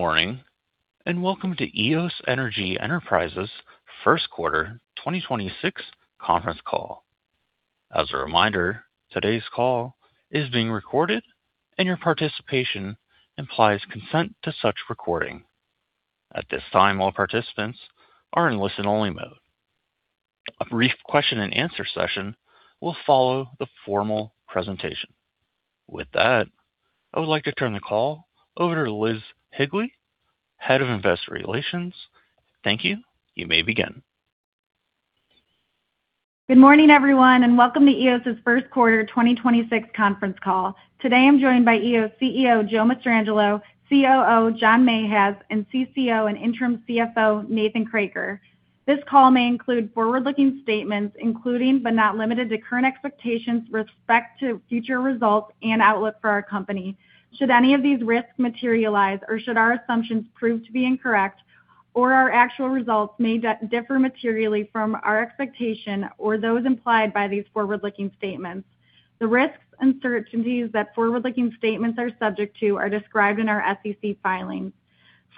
Good morning, and welcome to Eos Energy Enterprises first quarter 2026 conference call. As a reminder, today's call is being recorded and your participation implies consent to such recording. At this time, all participants are in listen-only mode. A brief question-and-answer session will follow the formal presentation. With that, I would like to turn the call over to Elizabeth Higley, Head of Investor Relations. Thank you. You may begin. Good morning, everyone, and welcome to Eos's first quarter 2026 conference call. Today, I'm joined by Eos CEO, Joe Mastrangelo, COO John Mahaz, and CCO and interim CFO, Nathan Kroeker. This call may include forward-looking statements, including, but not limited to, current expectations with respect to future results and outlook for our company. Should any of these risks materialize or should our assumptions prove to be incorrect, or our actual results may differ materially from our expectation or those implied by these forward-looking statements. The risks and uncertainties that forward-looking statements are subject to are described in our SEC filings.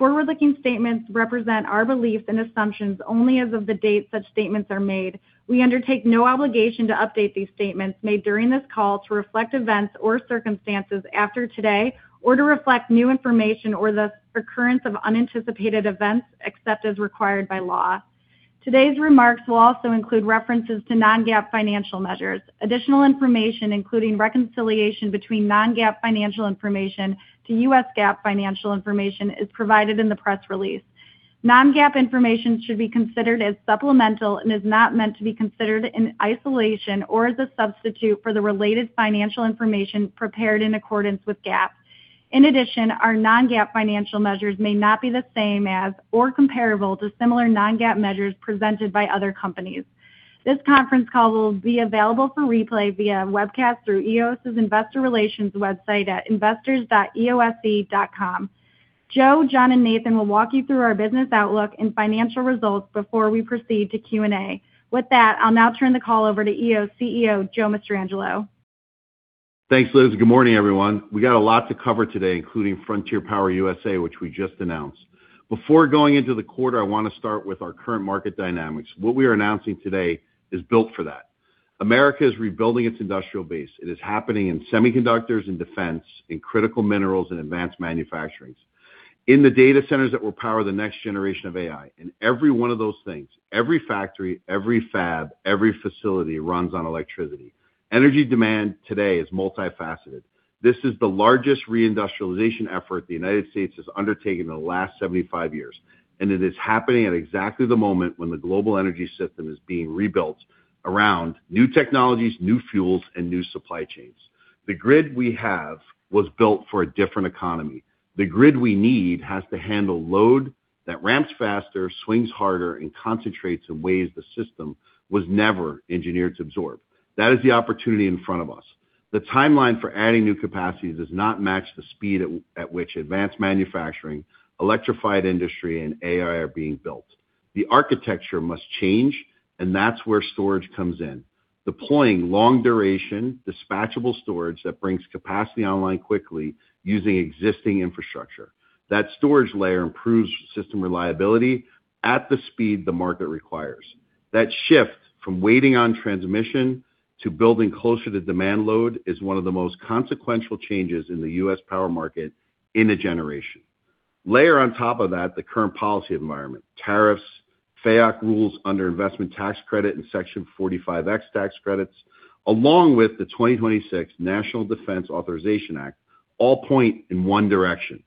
Forward-looking statements represent our beliefs and assumptions only as of the date such statements are made. We undertake no obligation to update these statements made during this call to reflect events or circumstances after today or to reflect new information or the recurrence of unanticipated events, except as required by law. Today's remarks will also include references to non-GAAP financial measures. Additional information, including reconciliation between non-GAAP financial information to U.S. GAAP financial information, is provided in the press release. Non-GAAP information should be considered as supplemental and is not meant to be considered in isolation or as a substitute for the related financial information prepared in accordance with GAAP. In addition, our non-GAAP financial measures may not be the same as or comparable to similar non-GAAP measures presented by other companies. This conference call will be available for replay via webcast through Eos's investor relations website at investors.eose.com. Joe, John, and Nathan will walk you through our business outlook and financial results before we proceed to Q&A. With that, I'll now turn the call over to Eos CEO, Joe Mastrangelo. Thanks, Liz. Good morning, everyone. We got a lot to cover today, including Frontier Power USA., which we just announced. Before going into the quarter, I want to start with our current market dynamics. What we are announcing today is built for that. America is rebuilding its industrial base. It is happening in semiconductors and defense, in critical minerals and advanced manufacturing. In the data centers that will power the next generation of AI. In every one of those things, every factory, every fab, every facility runs on electricity. Energy demand today is multifaceted. This is the largest reindustrialization effort the United States has undertaken in the last 75 years, and it is happening at exactly the moment when the global energy system is being rebuilt around new technologies, new fuels, and new supply chains. The grid we have was built for a different economy. The grid we need has to handle load that ramps faster, swings harder, and concentrates in ways the system was never engineered to absorb. That is the opportunity in front of us. The timeline for adding new capacity does not match the speed at which advanced manufacturing, electrified industry, and AI are being built. The architecture must change. That's where storage comes in. Deploying long-duration, dispatchable storage that brings capacity online quickly using existing infrastructure. That storage layer improves system reliability at the speed the market requires. That shift from waiting on transmission to building closer to demand load is one of the most consequential changes in the U.S. power market in a generation. Layer on top of that the current policy environment. Tariffs, FEOC rules under investment tax credit and Section 45X tax credits, along with the 2026 National Defense Authorization Act, all point in one direction.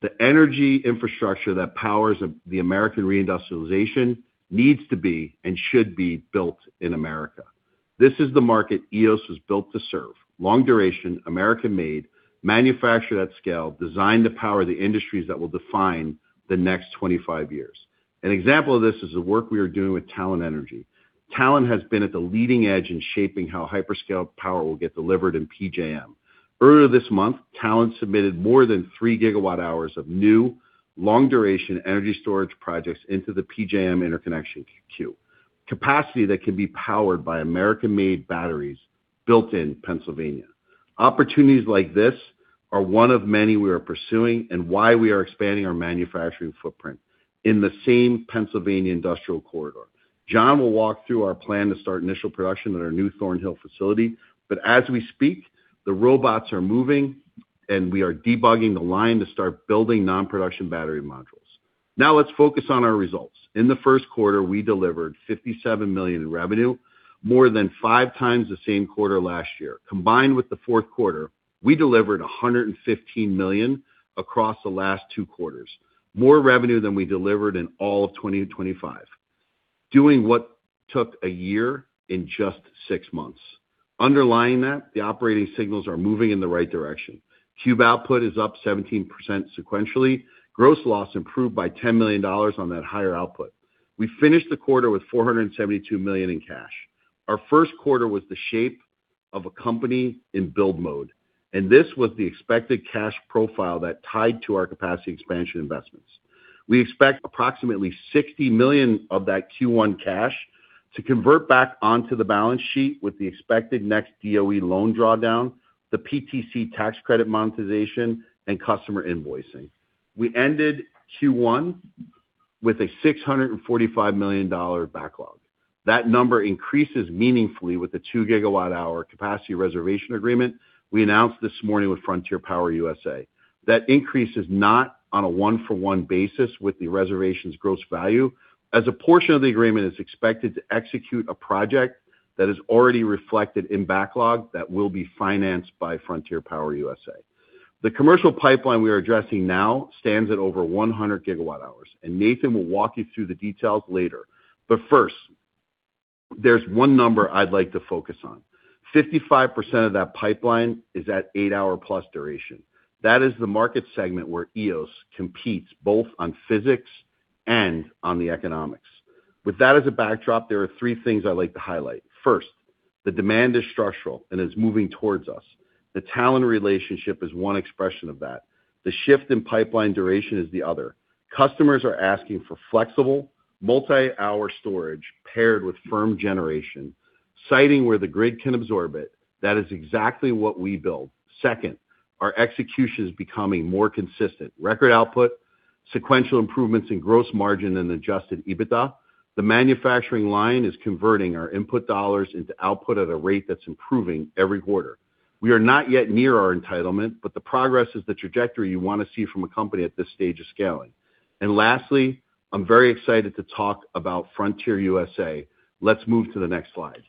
The energy infrastructure that powers the American reindustrialization needs to be and should be built in America. This is the market Eos was built to serve. Long duration, American-made, manufactured at scale, designed to power the industries that will define the next 25 years. An example of this is the work we are doing with Talen Energy. Talen has been at the leading edge in shaping how hyperscale power will get delivered in PJM. Earlier this month, Talen submitted more than 3 GWh of new long-duration energy storage projects into the PJM interconnection queue. Capacity that can be powered by American-made batteries built in Pennsylvania. Opportunities like this are one of many we are pursuing and why we are expanding our manufacturing footprint in the same Pennsylvania industrial corridor. John Mahaz will walk through our plan to start initial production at our new Thornhill facility. As we speak, the robots are moving, and we are debugging the line to start building non-production battery modules. Let's focus on our results. In the first quarter, we delivered $57 million in revenue, more than five times the same quarter last year. Combined with the fourth quarter, we delivered $115 million across the last two quarters, more revenue than we delivered in all of 2025. Doing what took a year in just six months. Underlying that, the operating signals are moving in the right direction. Cube output is up 17% sequentially. Gross loss improved by $10 million on that higher output. We finished the quarter with $472 million in cash. Our first quarter was the shape of a company in build mode, and this was the expected cash profile that tied to our capacity expansion investments. We expect approximately $60 million of that Q1 cash to convert back onto the balance sheet with the expected next DOE loan drawdown, the PTC tax credit monetization, and customer invoicing. We ended Q1 with a $645 million backlog. That number increases meaningfully with the 2 GWh capacity reservation agreement we announced this morning with Frontier Power USA. That increase is not on a one-for-one basis with the reservation's gross value, as a portion of the agreement is expected to execute a project that is already reflected in backlog that will be financed by Frontier Power USA. The commercial pipeline we are addressing now stands at over 100GWh. Nathan will walk you through the details later. First, there's one number I'd like to focus on. 55% of that pipeline is at eight-hour-plus duration. That is the market segment where Eos competes both on physics and on the economics. With that as a backdrop, there are three things I'd like to highlight. First, the demand is structural and is moving towards us. The Talen Energy relationship is one expression of that. The shift in pipeline duration is the other. Customers are asking for flexible, multi-hour storage paired with firm generation, siting where the grid can absorb it. That is exactly what we build. Second, our execution is becoming more consistent. Record output, sequential improvements in gross margin and adjusted EBITDA. The manufacturing line is converting our input dollars into output at a rate that's improving every quarter. We are not yet near our entitlement. The progress is the trajectory you want to see from a company at this stage of scaling. Lastly, I'm very excited to talk about Frontier Power USA. Let's move to the next slide.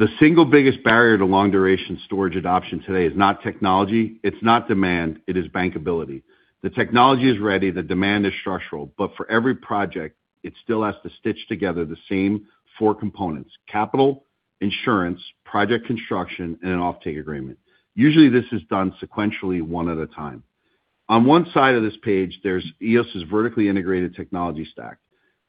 The single biggest barrier to long-duration storage adoption today is not technology, it's not demand, it is bankability. The technology is ready, the demand is structural. For every project, it still has to stitch together the same four components: capital, insurance, project construction, and an offtake agreement. Usually, this is done sequentially one at a time. On one side of this page, there's Eos's vertically integrated technology stack.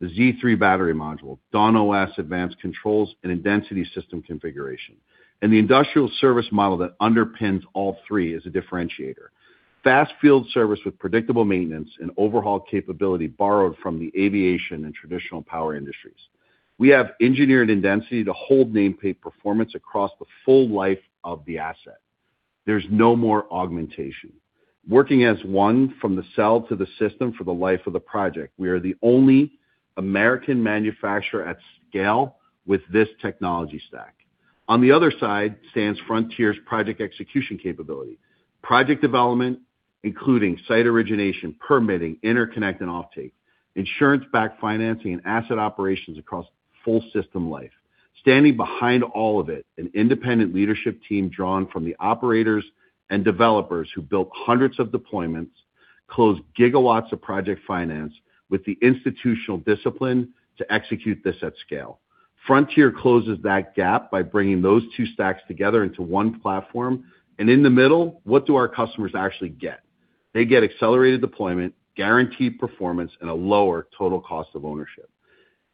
The Z3 battery module, DawnOS advanced controls, and Indensity system configuration, and the industrial service model that underpins all three as a differentiator. Fast field service with predictable maintenance and overhaul capability borrowed from the aviation and traditional power industries. We have engineered Indensity to hold nameplate performance across the full life of the asset. There's no more augmentation. Working as one from the cell to the system for the life of the project, we are the only American manufacturer at scale with this technology stack. On the other side stands Frontier's project execution capability. Project development, including site origination, permitting, interconnect and offtake, insurance-backed financing, and asset operations across full system life. Standing behind all of it, an independent leadership team drawn from the operators and developers who built 100s of deployments, closed gigawatts of project finance with the institutional discipline to execute this at scale. Frontier closes that gap by bringing those two stacks together into one platform. In the middle, what do our customers actually get? They get accelerated deployment, guaranteed performance, and a lower total cost of ownership.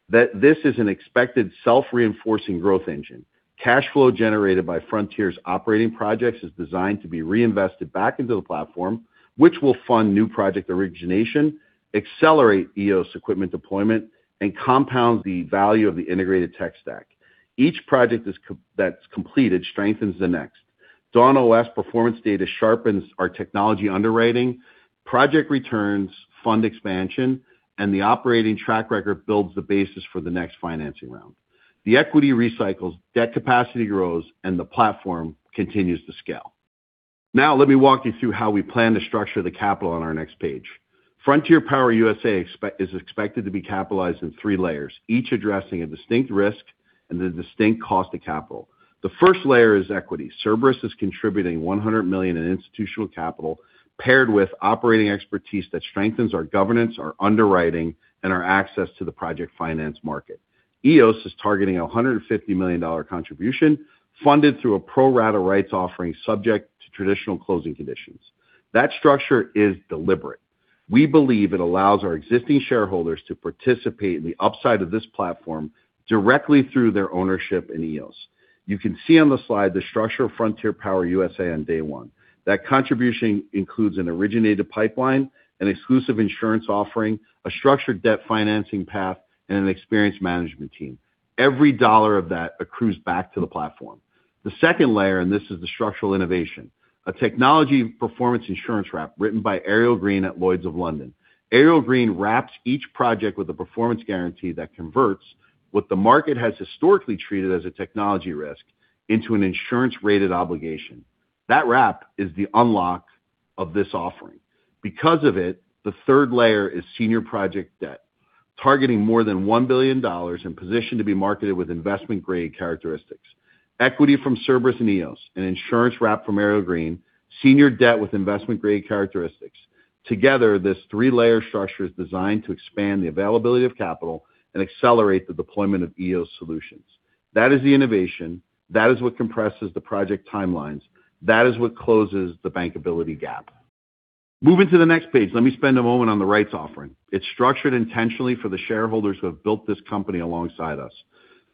This is an expected self-reinforcing growth engine. Cash flow generated by Frontier's operating projects is designed to be reinvested back into the platform, which will fund new project origination, accelerate Eos equipment deployment, and compound the value of the integrated tech stack. Each project that's completed strengthens the next. DawnOS performance data sharpens our technology underwriting, project returns fund expansion, and the operating track record builds the basis for the next financing round. The equity recycles, debt capacity grows, and the platform continues to scale. Let me walk you through how we plan to structure the capital on our next page. Frontier Power USA is expected to be capitalized in three layers, each addressing a distinct risk and a distinct cost of capital. The first layer is equity. Cerberus is contributing $100 million in institutional capital paired with operating expertise that strengthens our governance, our underwriting, and our access to the project finance market. Eos is targeting a $150 million contribution funded through a pro rata rights offering subject to traditional closing conditions. That structure is deliberate. We believe it allows our existing shareholders to participate in the upside of this platform directly through their ownership in Eos. You can see on the slide the structure of Frontier Power USA on day one. That contribution includes an originated pipeline, an exclusive insurance offering, a structured debt financing path, and an experienced management team. Every dollar of that accrues back to the platform. The second layer, and this is the structural innovation, a technology performance insurance wrap written by Ariel Green at Lloyd's of London. Ariel Green wraps each project with a performance guarantee that converts what the market has historically treated as a technology risk into an insurance-rated obligation. That wrap is the unlock of this offering. Because of it, the third layer is senior project debt, targeting more than $1 billion and positioned to be marketed with investment-grade characteristics. Equity from Cerberus and Eos, an insurance wrap from Ariel Green, senior debt with investment-grade characteristics. Together, this three-layer structure is designed to expand the availability of capital and accelerate the deployment of Eos solutions. That is the innovation. That is what compresses the project timelines. That is what closes the bankability gap. Moving to the next page, let me spend a moment on the rights offering. It's structured intentionally for the shareholders who have built this company alongside us.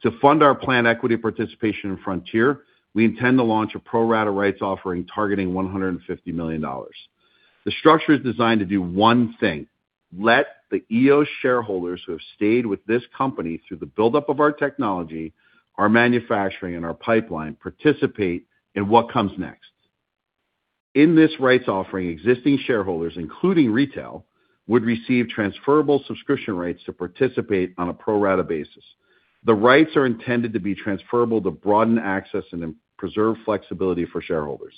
To fund our planned equity participation in Frontier, we intend to launch a pro rata rights offering targeting $150 million. The structure is designed to do one thing, let the Eos shareholders who have stayed with this company through the buildup of our technology, our manufacturing, and our pipeline participate in what comes next. In this rights offering, existing shareholders, including retail, would receive transferable subscription rights to participate on a pro rata basis. The rights are intended to be transferable to broaden access and preserve flexibility for shareholders.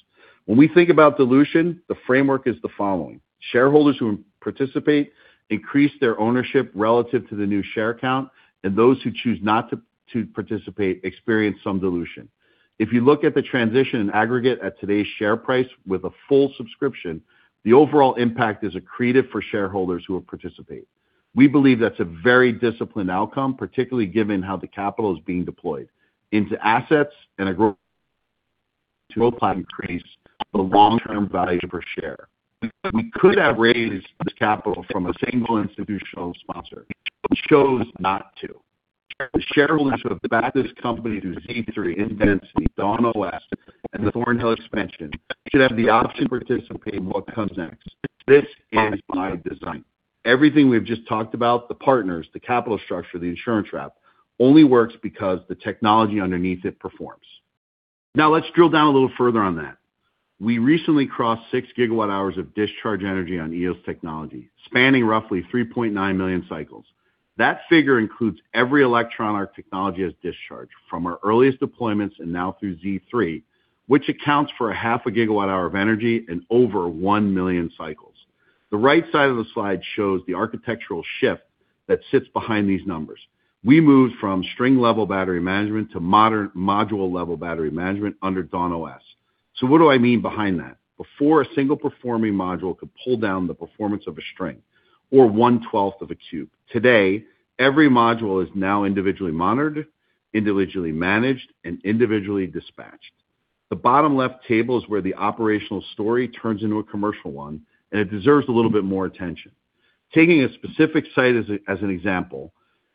When we think about dilution, the framework is the following: shareholders who participate increase their ownership relative to the new share count, and those who choose not to participate experience some dilution. If you look at the transition in aggregate at today's share price with a full subscription, the overall impact is accretive for shareholders who will participate. We believe that's a very disciplined outcome, particularly given how the capital is being deployed into assets to increase the long-term value per share. We could have raised this capital from a single institutional sponsor. We chose not to. The shareholders who have backed this company through Z3, Indensity, DawnOS, and the Thornhill expansion should have the option to participate in what comes next. This is by design. Everything we've just talked about, the partners, the capital structure, the insurance wrap, only works because the technology underneath it performs. Now, let's drill down a little further on that. We recently crossed 6 GWh of discharge energy on Eos technology, spanning roughly 3.9 million cycles. That figure includes every electron our technology has discharged from our earliest deployments and now through Z3, which accounts for a half a gigawatt hour of energy and over 1 million cycles. The right side of the slide shows the architectural shift that sits behind these numbers. We moved from string-level battery management to modern module-level battery management under DawnOS. What do I mean behind that? Before, a single-performing module could pull down the performance of a string or 1/12 of a cube. Today, every module is now individually monitored, individually managed, and individually dispatched. The bottom left table is where the operational story turns into a commercial one, and it deserves a little bit more attention. Taking a specific site as an example,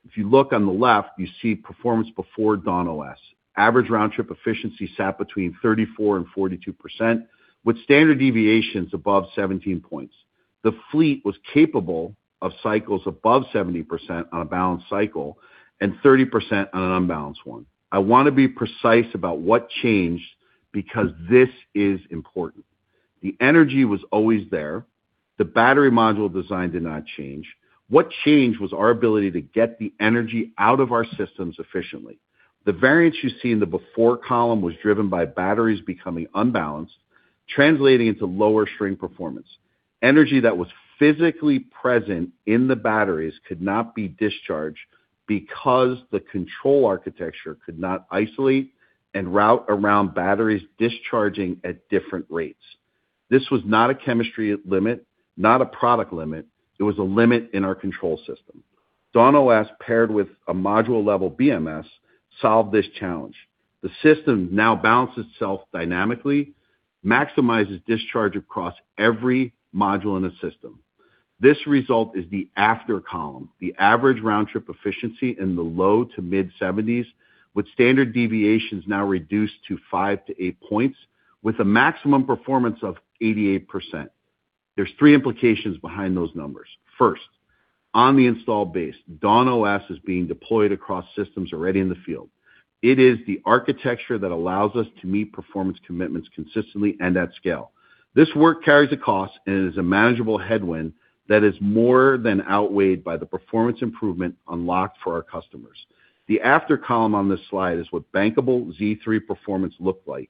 if you look on the left, you see performance before DawnOS. Average round-trip efficiency sat between 34% and 42%, with standard deviations above 17 points. The fleet was capable of cycles above 70% on a balanced cycle and 30% on an unbalanced one. I want to be precise about what changed because this is important. The energy was always there. The battery module design did not change. What changed was our ability to get the energy out of our systems efficiently. The variance you see in the before column was driven by batteries becoming unbalanced, translating into lower string performance. Energy that was physically present in the batteries could not be discharged because the control architecture could not isolate and route around batteries discharging at different rates. This was not a chemistry limit, not a product limit. It was a limit in our control system. DawnOS, paired with a module-level BMS, solved this challenge. The system now balances itself dynamically, maximizes discharge across every module in a system. This result is the after column, the average round-trip efficiency in the low-to-mid 70s, with standard deviations now reduced to 5 to 8 points, with a maximum performance of 88%. There's three implications behind those numbers. First, on the install base, DawnOS is being deployed across systems already in the field. It is the architecture that allows us to meet performance commitments consistently and at scale. This work carries a cost and is a manageable headwind that is more than outweighed by the performance improvement unlocked for our customers. The after column on this slide is what bankable Z3 performance look like,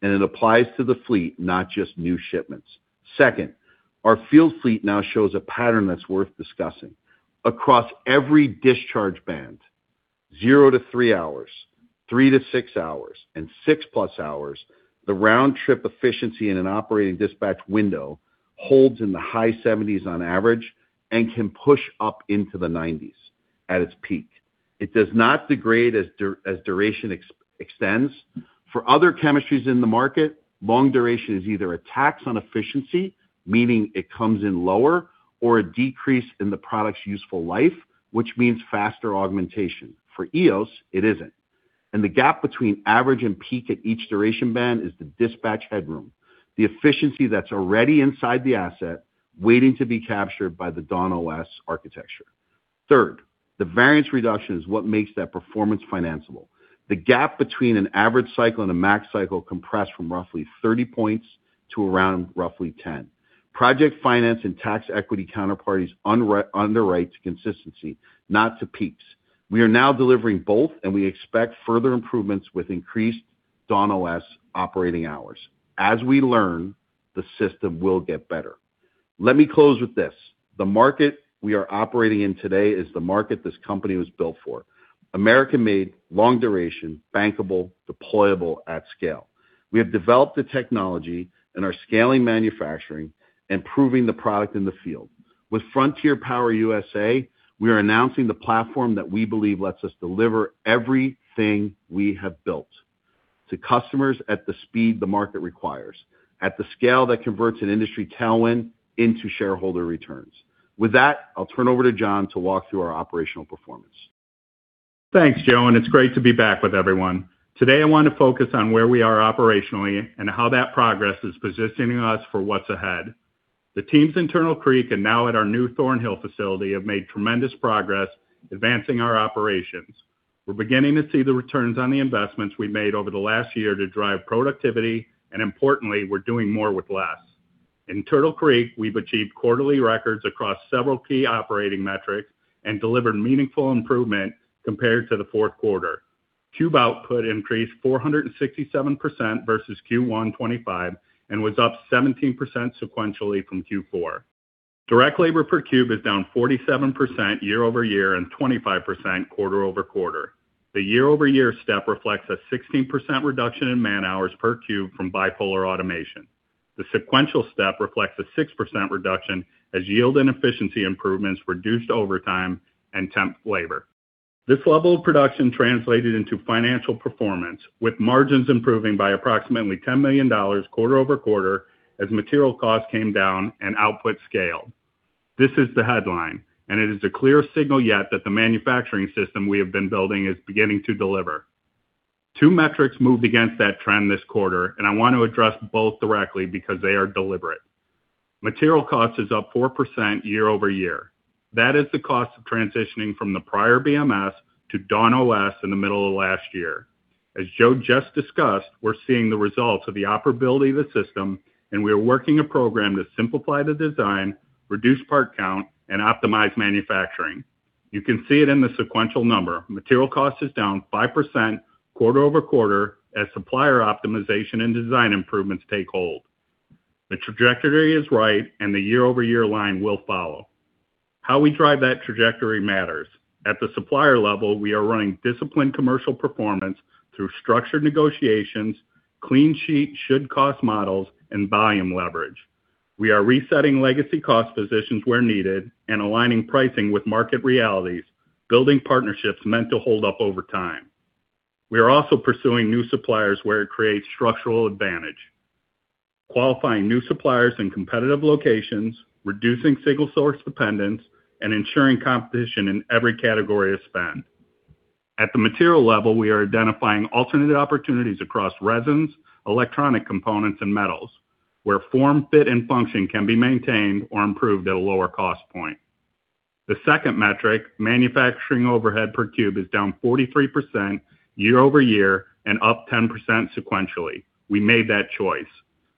and it applies to the fleet, not just new shipments. Second, our field fleet now shows a pattern that's worth discussing. Across every discharge band, zero to three hours, three to six hours, and six-plus hours, the round-trip efficiency in an operating dispatch window holds in the high 70s on average and can push up into the 90s at its peak. It does not degrade as duration extends. For other chemistries in the market, long duration is either a tax on efficiency, meaning it comes in lower, or a decrease in the product's useful life, which means faster augmentation. For Eos, it isn't. The gap between average and peak at each duration band is the dispatch headroom, the efficiency that's already inside the asset waiting to be captured by the DawnOS architecture. Third, the variance reduction is what makes that performance financeable. The gap between an average cycle and a max cycle compressed from roughly 30 points to around roughly 10. Project finance and tax equity counterparties underwrite to consistency, not to peaks. We are now delivering both, and we expect further improvements with increased DawnOS operating hours. As we learn, the system will get better. Let me close with this. The market we are operating in today is the market this company was built for. American-made, long duration, bankable, deployable at scale. We have developed the technology and are scaling manufacturing and proving the product in the field. With Frontier Power USA, we are announcing the platform that we believe lets us deliver everything we have built. To customers at the speed the market requires, at the scale that converts an industry tailwind into shareholder returns. With that, I'll turn over to John to walk through our operational performance. Thanks, Joe. It's great to be back with everyone. Today, I want to focus on where we are operationally and how that progress is positioning us for what's ahead. The teams in Turtle Creek and now at our new Thornhill facility have made tremendous progress advancing our operations. We're beginning to see the returns on the investments we made over the last year to drive productivity, and importantly, we're doing more with less. In Turtle Creek, we've achieved quarterly records across several key operating metrics and delivered meaningful improvement compared to the fourth quarter. Cube output increased 467% versus Q1 2025 and was up 17% sequentially from Q4. Direct labor per cube is down 47% year-over-year and 25% quarter-over-quarter. The year-over-year step reflects a 16% reduction in man-hours per cube from bipolar automation. The sequential step reflects a 6% reduction as yield and efficiency improvements reduced overtime and temp labor. This level of production translated into financial performance, with margins improving by approximately $10 million quarter-over-quarter as material costs came down and output scaled. This is the headline. It is the clearest signal yet that the manufacturing system we have been building is beginning to deliver. Two metrics moved against that trend this quarter. I want to address both directly because they are deliberate. Material cost is up 4% year-over-year. That is the cost of transitioning from the prior BMS to DawnOS in the middle of last year. As Joe just discussed, we're seeing the results of the operability of the system. We are working a program to simplify the design, reduce part count, and optimize manufacturing. You can see it in the sequential number. Material cost is down 5% quarter-over-quarter as supplier optimization and design improvements take hold. The trajectory is right, and the year-over-year line will follow. How we drive that trajectory matters. At the supplier level, we are running disciplined commercial performance through structured negotiations, clean sheet should cost models, and volume leverage. We are resetting legacy cost positions where needed and aligning pricing with market realities, building partnerships meant to hold up over time. We are also pursuing new suppliers where it creates structural advantage. Qualifying new suppliers in competitive locations, reducing single source dependence, and ensuring competition in every category of spend. At the material level, we are identifying alternative opportunities across resins, electronic components, and metals, where form, fit, and function can be maintained or improved at a lower cost point. The second metric, manufacturing overhead per cube, is down 43% year-over-year and up 10% sequentially. We made that choice.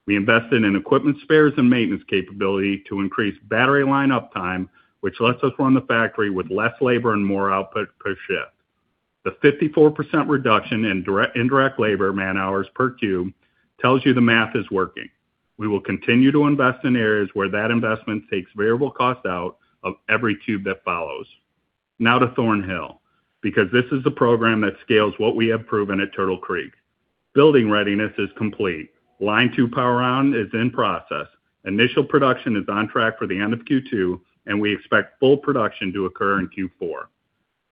We invested in equipment spares and maintenance capability to increase battery line uptime, which lets us run the factory with less labor and more output per shift. The 54% reduction in indirect labor man-hours per cube tells you the math is working. We will continue to invest in areas where that investment takes variable cost out of every cube that follows. To Thornhill, because this is the program that scales what we have proven at Turtle Creek. Building readiness is complete. Line two power on is in process. Initial production is on track for the end of Q2, we expect full production to occur in Q4.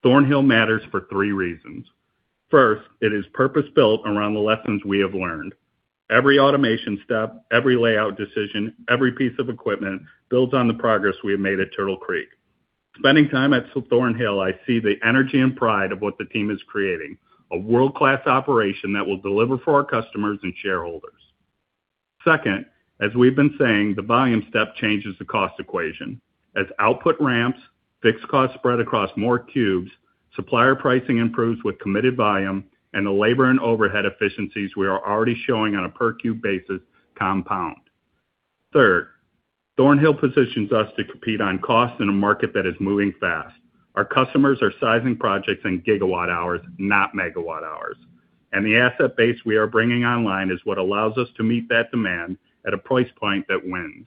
Thornhill matters for three reasons. First, it is purpose-built around the lessons we have learned. Every automation step, every layout decision, every piece of equipment builds on the progress we have made at Turtle Creek. Spending time at Thornhill, I see the energy and pride of what the team is creating, a world-class operation that will deliver for our customers and shareholders. As we've been saying, the volume step changes the cost equation. As output ramps, fixed costs spread across more cubes, supplier pricing improves with committed volume, and the labor and overhead efficiencies we are already showing on a per cube basis compound. Thornhill positions us to compete on cost in a market that is moving fast. Our customers are sizing projects in GWh, not megawatt hours. The asset base we are bringing online is what allows us to meet that demand at a price point that wins.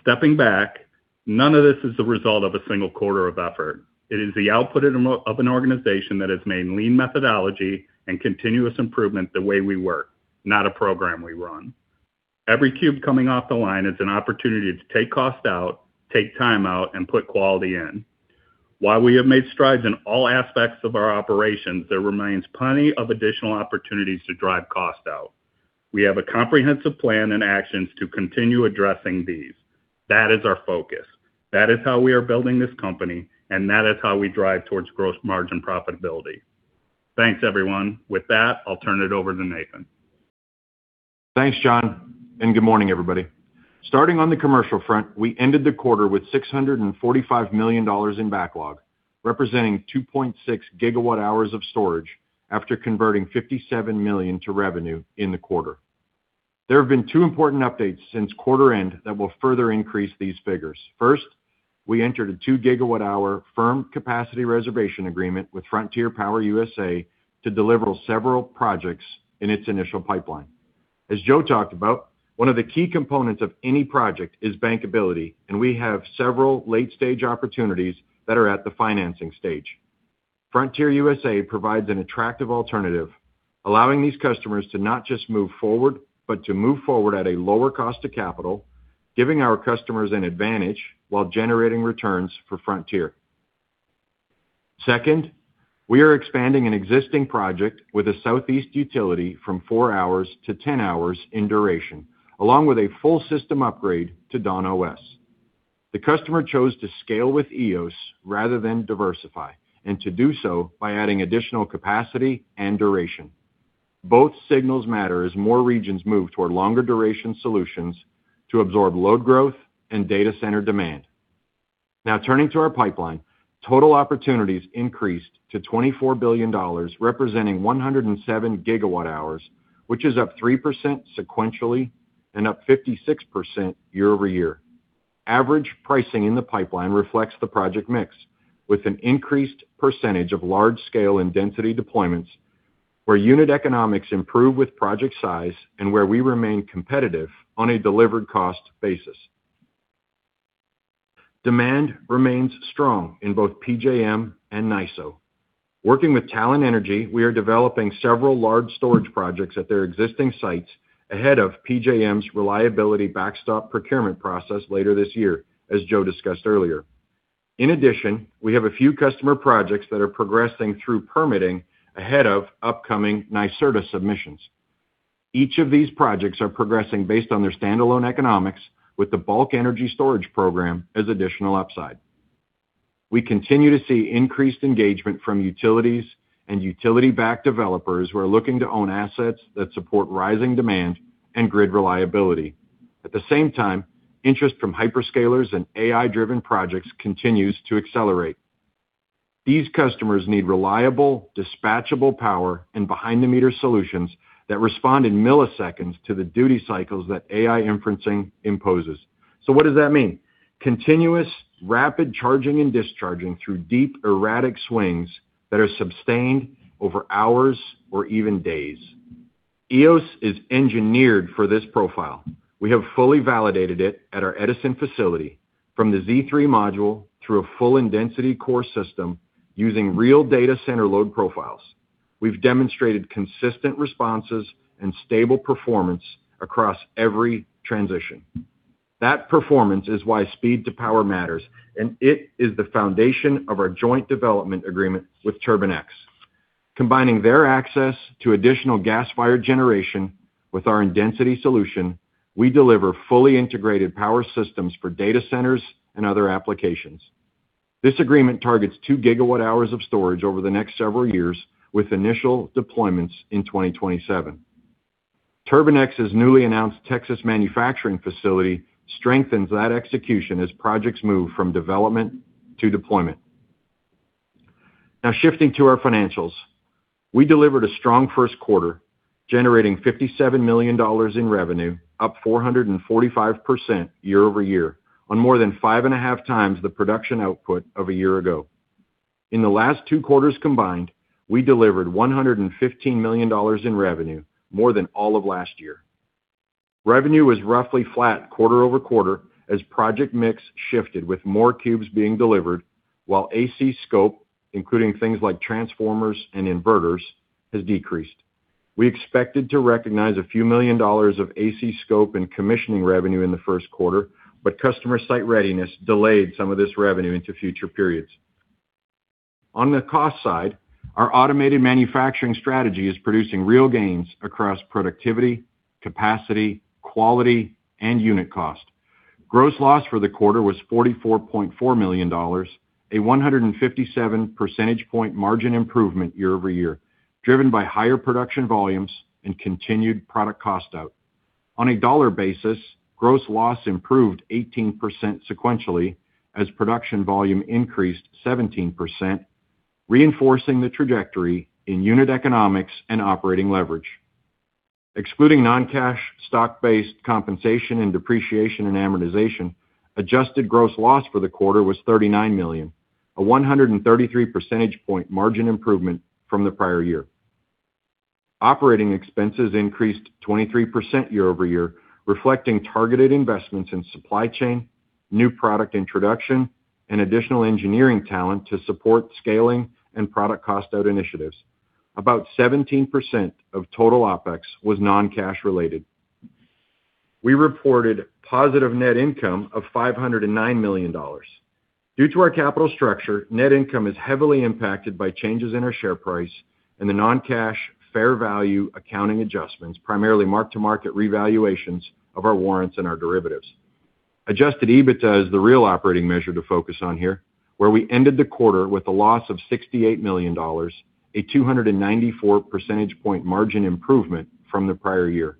Stepping back, none of this is the result of a single quarter of effort. It is the output of an organization that has made lean methodology and continuous improvement the way we work, not a program we run. Every cube coming off the line is an opportunity to take cost out, take time out, and put quality in. While we have made strides in all aspects of our operations, there remains plenty of additional opportunities to drive cost out. We have a comprehensive plan and actions to continue addressing these. That is our focus. That is how we are building this company, and that is how we drive towards gross margin profitability. Thanks, everyone. With that, I'll turn it over to Nathan. Thanks, John. Good morning, everybody. Starting on the commercial front, we ended the quarter with $645 million in backlog, representing 2.6 GWh of storage after converting $57 million to revenue in the quarter. There have been two important updates since quarter end that will further increase these figures. First, we entered a 2 GWh firm capacity reservation agreement with Frontier Power USA to deliver several projects in its initial pipeline. As Joe talked about, one of the key components of any project is bankability, and we have several late-stage opportunities that are at the financing stage. Frontier USA provides an attractive alternative, allowing these customers to not just move forward, but to move forward at a lower cost of capital, giving our customers an advantage while generating returns for Frontier. Second, we are expanding an existing project with a southeast utility from four hours to 10 hours in duration, along with a full system upgrade to DawnOS. The customer chose to scale with Eos rather than diversify, and to do so by adding additional capacity and duration. Both signals matter as more regions move toward longer duration solutions to absorb load growth and data center demand. Turning to our pipeline, total opportunities increased to $24 billion, representing 107 GWh, which is up 3% sequentially and up 56% year-over-year. Average pricing in the pipeline reflects the project mix, with an increased percentage of large-scale and Indensity deployments where unit economics improve with project size and where we remain competitive on a delivered cost basis. Demand remains strong in both PJM and NYISO. Working with Talen Energy, we are developing several large storage projects at their existing sites ahead of PJM's reliability backstop procurement process later this year, as Joe discussed earlier. In addition, we have a few customer projects that are progressing through permitting ahead of upcoming NYSERDA submissions. Each of these projects are progressing based on their standalone economics with the bulk energy storage program as additional upside. We continue to see increased engagement from utilities and utility-backed developers who are looking to own assets that support rising demand and grid reliability. At the same time, interest from hyperscalers and AI-driven projects continues to accelerate. These customers need reliable, dispatchable power and behind-the-meter solutions that respond in milliseconds to the duty cycles that AI inferencing imposes. What does that mean? Continuous, rapid charging and discharging through deep, erratic swings that are sustained over hours or even days. Eos is engineered for this profile. We have fully validated it at our Edison facility from the Z3 module through a full Indensity Core system using real data center load profiles. We've demonstrated consistent responses and stable performance across every transition. That performance is why speed to power matters, and it is the foundation of our joint development agreement with TURBINE-X. Combining their access to additional gas-fired generation with our Indensity solution, we deliver fully integrated power systems for data centers and other applications. This agreement targets 2 GWh of storage over the next several years, with initial deployments in 2027. TURBINE-X's newly announced Texas manufacturing facility strengthens that execution as projects move from development to deployment. Now shifting to our financials, we delivered a strong first quarter, generating $57 million in revenue, up 445% year-over-year, on more than five and a half times the production output of a year ago. In the last two quarters combined, we delivered $115 million in revenue, more than all of last year. Revenue was roughly flat quarter-over-quarter as project mix shifted with more cubes being delivered, while AC scope, including things like transformers and inverters, has decreased. We expected to recognize a few million dollars of AC scope and commissioning revenue in the first quarter, but customer site readiness delayed some of this revenue into future periods. On the cost side, our automated manufacturing strategy is producing real gains across productivity, capacity, quality, and unit cost. Gross loss for the quarter was $44.4 million, a 157 percentage point margin improvement year-over-year, driven by higher production volumes and continued product cost out. On a dollar basis, gross loss improved 18% sequentially as production volume increased 17%, reinforcing the trajectory in unit economics and operating leverage. Excluding non-cash stock-based compensation and depreciation and amortization, adjusted gross loss for the quarter was $39 million, a 133 percentage point margin improvement from the prior year. Operating expenses increased 23% year-over-year, reflecting targeted investments in supply chain, new product introduction, and additional engineering talent to support scaling and product cost out initiatives. About 17% of total OpEx was non-cash related. We reported positive net income of $509 million. Due to our capital structure, net income is heavily impacted by changes in our share price and the non-cash fair value accounting adjustments, primarily mark-to-market revaluations of our warrants and our derivatives. Adjusted EBITDA is the real operating measure to focus on here, where we ended the quarter with a loss of $68 million, a 294 percentage point margin improvement from the prior year.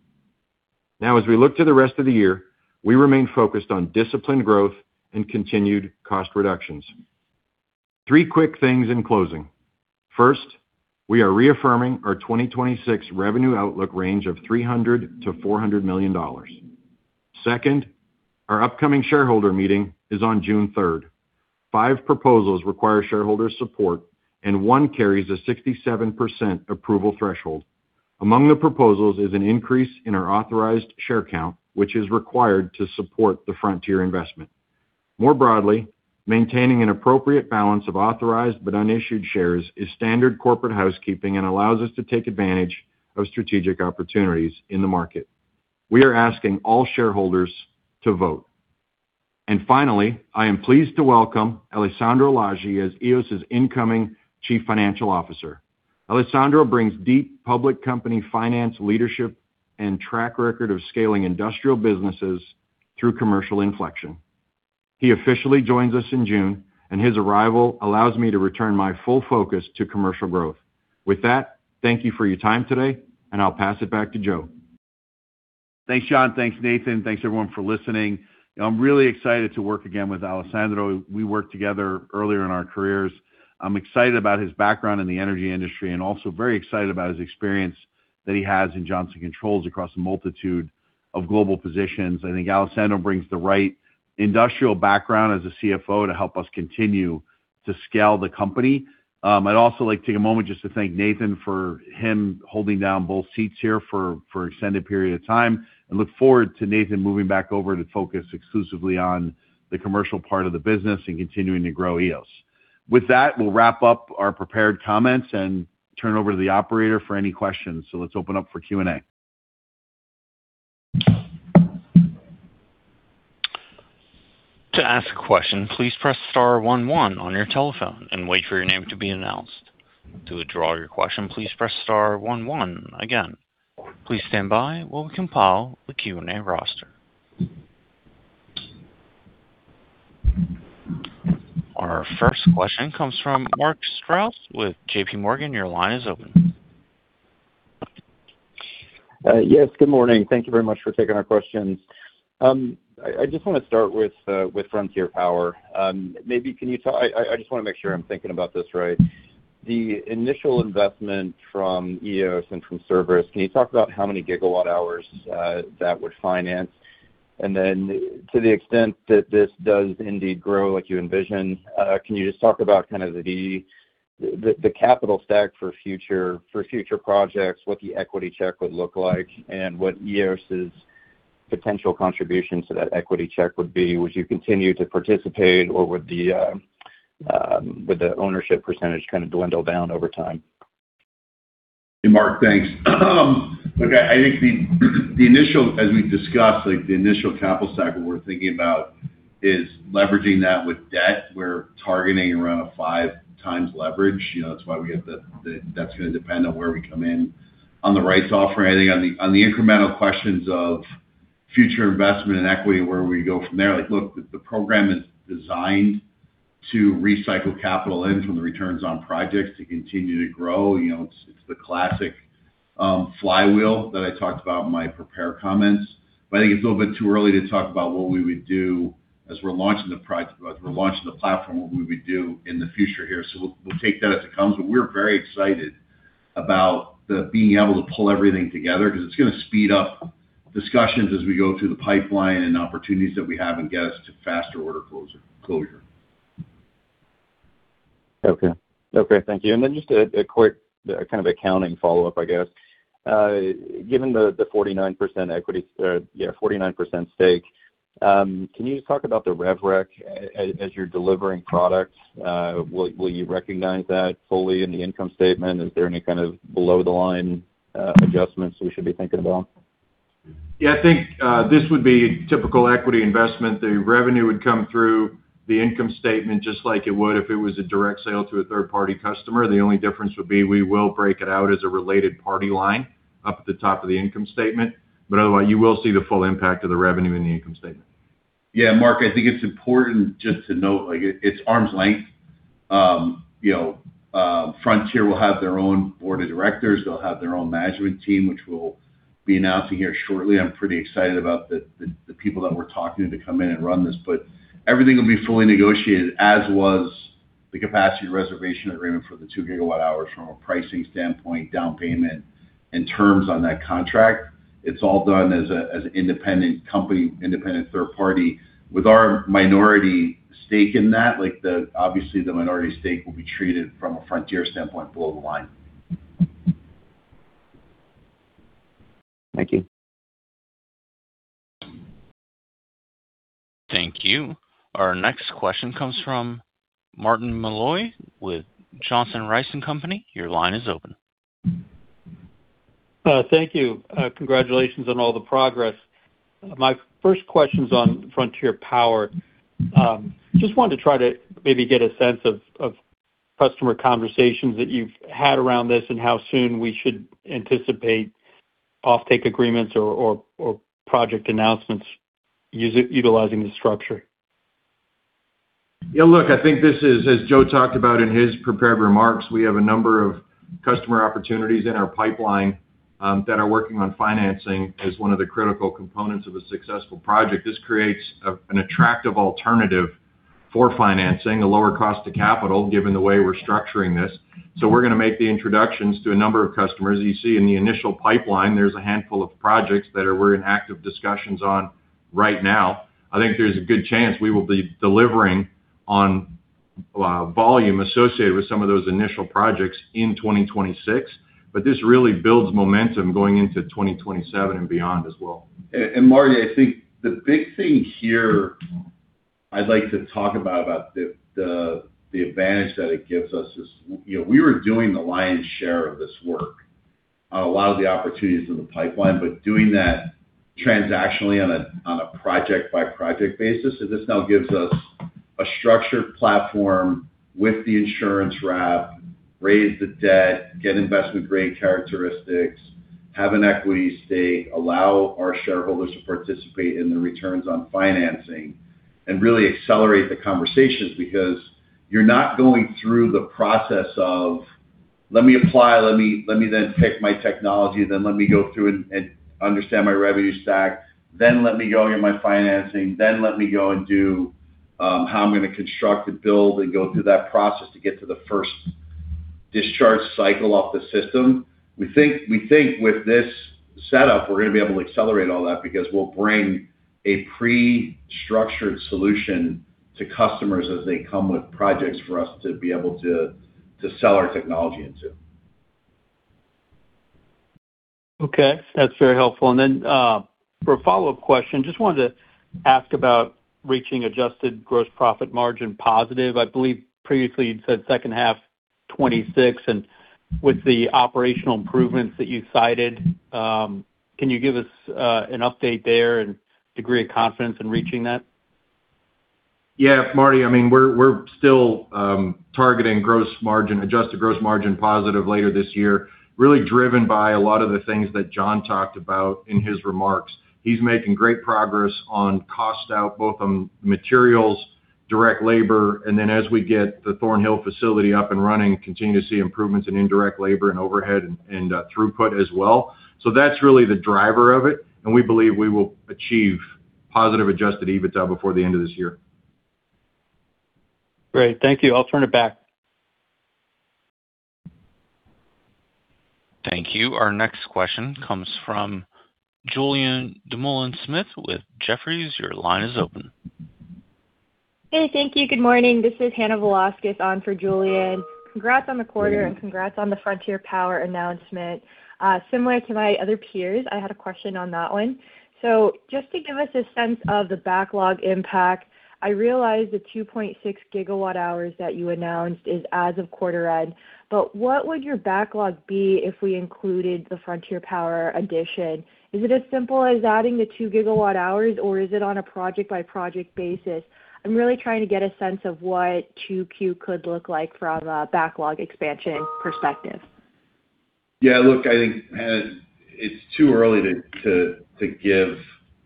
As we look to the rest of the year, we remain focused on disciplined growth and continued cost reductions. Three quick things in closing. First, we are reaffirming our 2026 revenue outlook range of $300 million-$400 million. Second, our upcoming shareholder meeting is on June 3rd. Five proposals require shareholder support, and one carries a 67% approval threshold. Among the proposals is an increase in our authorized share count, which is required to support the frontier investment. More broadly, maintaining an appropriate balance of authorized but unissued shares is standard corporate housekeeping and allows us to take advantage of strategic opportunities in the market. We are asking all shareholders to vote. Finally, I am pleased to welcome Alessandro Lagi as Eos's incoming Chief Financial Officer. Alessandro brings deep public company finance leadership and track record of scaling industrial businesses through commercial inflection. He officially joins us in June, and his arrival allows me to return my full focus to commercial growth. Thank you for your time today, and I'll pass it back to Joe. Thanks, John. Thanks, Nathan. Thanks, everyone, for listening. I'm really excited to work again with Alessandro. We worked together earlier in our careers. I'm excited about his background in the energy industry and also very excited about his experience that he has in Johnson Controls across a multitude of global positions. I think Alessandro brings the right industrial background as a CFO to help us continue to scale the company. I'd also like to take a moment just to thank Nathan for him holding down both seats here for extended period of time, and look forward to Nathan moving back over to focus exclusively on the commercial part of the business and continuing to grow Eos. With that, we'll wrap up our prepared comments and turn over to the operator for any questions. Let's open up for Q&A. To ask questions please press star one one on your telephone and wait for your name to be announced. To withdrawal your question please press star one one again. Please stand-by while we compile the Q&A roster. Our first question comes from Mark Strouse with JPMorgan. Your line is open. Yes, good morning. Thank you very much for taking our questions. I just wanna start with Frontier Power. Maybe I just wanna make sure I'm thinking about this right. The initial investment from Eos and from Cerberus, can you talk about how many GWh that would finance? Then to the extent that this does indeed grow like you envision, can you just talk about kind of the capital stack for future projects? What the equity check would look like, and what Eos' potential contribution to that equity check would be? Would you continue to participate or would the ownership % kind of dwindle down over time? Hey, Mark. Thanks. Look, I think the initial, as we've discussed, like, the initial capital stack, what we're thinking about is leveraging that with debt. We're targeting around a 5x leverage. You know, that's why we have that's gonna depend on where we come in on the right offer. I think on the incremental questions of future investment and equity, where we go from there, like, look, the program is designed to recycle capital in from the returns on projects to continue to grow. You know, it's the classic flywheel that I talked about in my prepared comments. I think it's a little bit too early to talk about what we would do as we're launching the platform, what we would do in the future here. We'll take that as it comes. We're very excited about being able to pull everything together because it's gonna speed up discussions as we go through the pipeline and opportunities that we have in getting to faster order closure. Okay. Okay, thank you. Then just a quick kind of accounting follow-up, I guess. Given the 49% equity, yeah, 49% stake, can you just talk about the rev rec as you're delivering products? Will you recognize that fully in the income statement? Is there any kind of below the line adjustments we should be thinking about? Yeah, I think, this would be typical equity investment. The revenue would come through the income statement, just like it would if it was a direct sale to a third-party customer. The only difference would be we will break it out as a related party line up at the top of the income statement. Otherwise, you will see the full impact of the revenue in the income statement. Yeah, Mark, I think it's important just to note, like, it's arm's length. You know, Frontier will have their own Board of Directors. They'll have their own management team, which we'll be announcing here shortly. I'm pretty excited about the people that we're talking to come in and run this. Everything will be fully negotiated, as was the capacity reservation agreement for the 2 GWh from a pricing standpoint, down payment, and terms on that contract. It's all done as an independent company, independent third party with our minority stake in that. The minority stake will be treated from a Frontier standpoint below the line. Thank you. Thank you. Our next question comes from Martin Malloy with Johnson Rice & Company. Your line is open. Thank you. Congratulations on all the progress. My first question's on Frontier Power. Just wanted to try to maybe get a sense of customer conversations that you've had around this and how soon we should anticipate offtake agreements or project announcements utilizing this structure. Yeah, look, I think this is, as Joe talked about in his prepared remarks, we have a number of customer opportunities in our pipeline that are working on financing as one of the critical components of a successful project. This creates an attractive alternative for financing, a lower cost to capital, given the way we're structuring this. We're gonna make the introductions to a number of customers. You see in the initial pipeline, there's a handful of projects that we're in active discussions on right now. I think there's a good chance we will be delivering on volume associated with some of those initial projects in 2026, this really builds momentum going into 2027 and beyond as well. Martin, I think the big thing here I'd like to talk about the advantage that it gives us is, you know, we were doing the lion's share of this work on a lot of the opportunities in the pipeline, but doing that transactionally on a project-by-project basis. This now gives us a structured platform with the insurance wrap, raise the debt, get investment-grade characteristics, have an equity stake, allow our shareholders to participate in the returns on financing, and really accelerate the conversations. You're not going through the process of let me apply, let me then pick my technology, then let me go through and understand my revenue stack, then let me go get my financing, then let me go and do how I'm gonna construct and build and go through that process to get to the first discharge cycle off the system. We think with this setup, we're gonna be able to accelerate all that because we'll bring a pre-structured solution to customers as they come with projects for us to be able to sell our technology into. Okay. That's very helpful. For a follow-up question, just wanted to ask about reaching adjusted gross profit margin positive. I believe previously you'd said second half 2026, and with the operational improvements that you cited, can you give us an update there and degree of confidence in reaching that? Martin, I mean, we're still targeting gross margin, adjusted gross margin positive later this year, really driven by a lot of the things that John talked about in his remarks. He's making great progress on cost out both on materials, direct labor, then as we get the Thornhill facility up and running, continue to see improvements in indirect labor and overhead and throughput as well. That's really the driver of it, we believe we will achieve positive adjusted EBITDA before the end of this year. Great. Thank you. I'll turn it back. Thank you. Our next question comes from Julien Dumoulin-Smith with Jefferies. Your line is open. Hey, thank you. Good morning. This is Hannah Velasquez on for Julien. Congrats on the quarter and congrats on the Frontier Power announcement. Similar to my other peers, I had a question on that one. Just to give us a sense of the backlog impact, I realize the 2.6 GWh that you announced is as of quarter end, but what would your backlog be if we included the Frontier Power addition? Is it as simple as adding the 2 GWh, or is it on a project-by-project basis? I'm really trying to get a sense of what 2Q could look like from a backlog expansion perspective. Yeah, look, I think, it's too early to give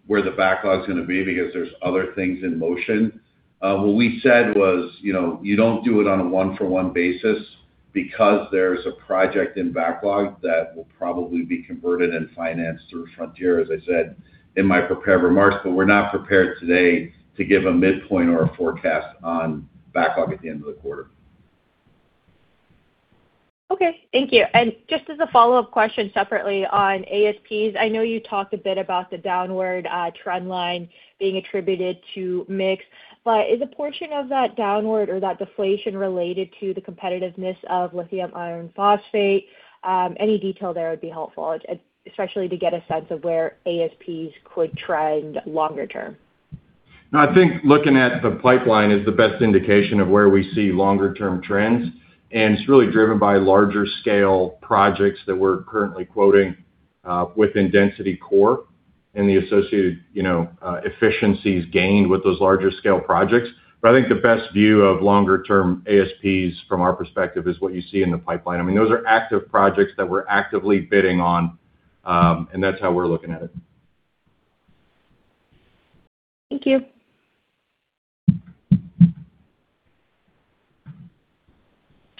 where the backlog's gonna be because there's other things in motion. What we said was, you know, you don't do it on a one-for-one basis because there's a project in backlog that will probably be converted and financed through Frontier, as I said in my prepared remarks, but we're not prepared today to give a midpoint or a forecast on backlog at the end of the quarter. Okay. Thank you. Just as a follow-up question separately on ASPs, I know you talked a bit about the downward trend line being attributed to mix, but is a portion of that downward or that deflation related to the competitiveness of lithium iron phosphate? Any detail there would be helpful, especially to get a sense of where ASPs could trend longer term. I think looking at the pipeline is the best indication of where we see longer-term trends, and it's really driven by larger scale projects that we're currently quoting within Indensity Core and the associated, you know, efficiencies gained with those larger scale projects. I think the best view of longer term ASPs from our perspective is what you see in the pipeline. I mean, those are active projects that we're actively bidding on, that's how we're looking at it. Thank you.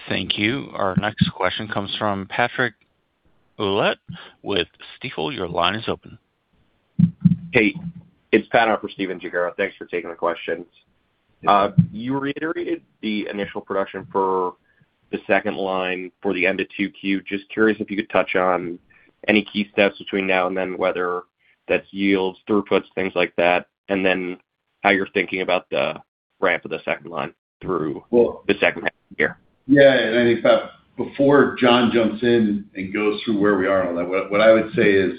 Thank you. Our next question comes from Patrick Ouellette with Stifel. Your line is open. Hey, it's Pat, on for Stephen Gengaro. Thanks for taking the questions. You reiterated the initial production for the second line for the end of 2Q. Just curious if you could touch on any key steps between now and then, whether that's yields, throughputs, things like that, then how you're thinking about the ramp of the second line through- Well- The second half of the year. Yeah. I think, Pat, before John jumps in and goes through where we are on that, what I would say is,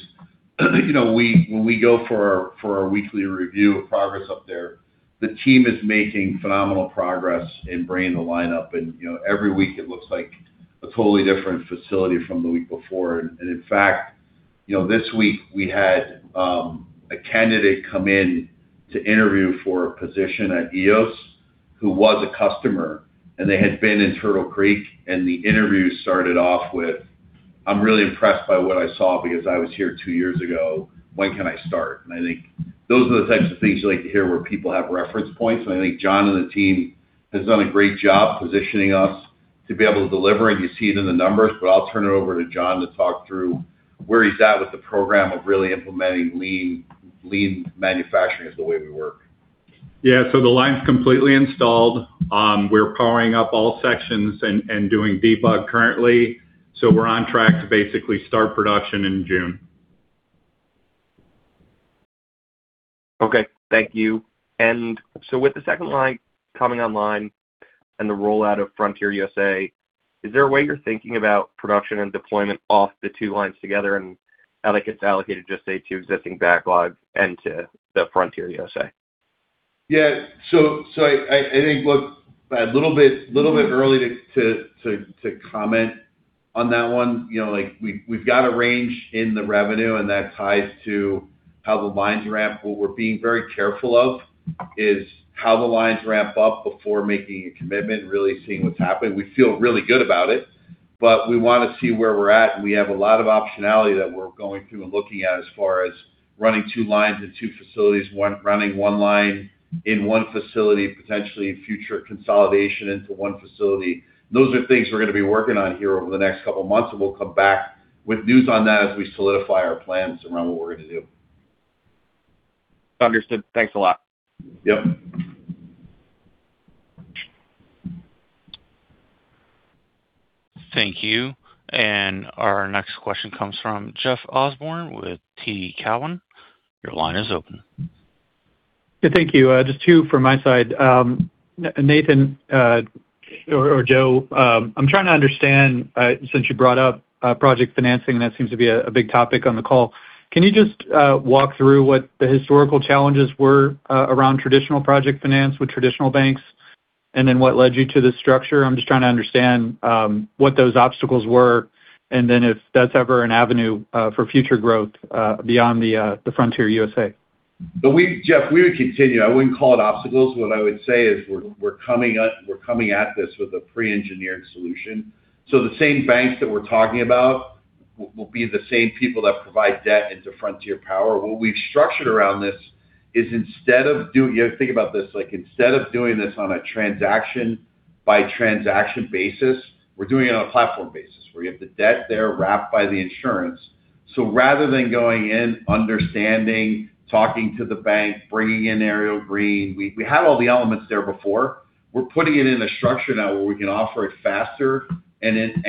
you know, when we go for our weekly review of progress up there, the team is making phenomenal progress in bringing the line up. You know, every week it looks like a totally different facility from the week before. In fact, you know, this week we had a candidate come in to interview for a position at Eos who was a customer, and they had been in Turtle Creek. The interview started off with, "I'm really impressed by what I saw because I was here two years ago. When can I start?" I think those are the types of things you like to hear where people have reference points. I think John and the team has done a great job positioning us to be able to deliver, and you see it in the numbers. I'll turn it over to John to talk through where he's at with the program of really implementing lean manufacturing as the way we work. Yeah. The line's completely installed. We're powering up all sections and doing debug currently. We're on track to basically start production in June. Okay. Thank you. With the second line coming online, and the rollout of Frontier USA, is there a way you're thinking about production and deployment off the two lines together and how that gets allocated, just say, to existing backlogs and to the Frontier USA? Yeah. I think, look, a little bit early to comment on that one. You know, like, we've got a range in the revenue, that ties to how the lines ramp. What we're being very careful of is how the lines ramp up before making a commitment, really seeing what's happening. We feel really good about it, we wanna see where we're at, we have a lot of optionality that we're going through and looking at as far as running two lines in two facilities, running one line in one facility, potentially future consolidation into one facility. Those are things we're gonna be working on here over the next couple of months, we'll come back with news on that as we solidify our plans around what we're gonna do. Understood. Thanks a lot. Yep. Thank you. Our next question comes from Jeffrey Osborne with TD Cowen. Your line is open. Thank you. Just two from my side. Nathan, or Joe, I am trying to understand, since you brought up project financing, that seems to be a big topic on the call. Can you just walk through what the historical challenges were around traditional project finance with traditional banks, and then what led you to this structure? I am just trying to understand what those obstacles were, and then if that is ever an avenue for future growth beyond the Frontier USA. Jeff, we would continue. I wouldn't call it obstacles. What I would say is we're coming at this with a pre-engineered solution. The same banks that we're talking about will be the same people that provide debt into Frontier Power. What we've structured around this is instead of You have to think about this, like, instead of doing this on a transaction-by-transaction basis, we're doing it on a platform basis, where you have the debt there wrapped by the insurance. Rather than going in, understanding, talking to the bank, bringing in Ariel Green, we had all the elements there before. We're putting it in a structure now where we can offer it faster and in